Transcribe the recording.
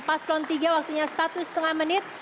paslon tiga waktunya satu setengah menit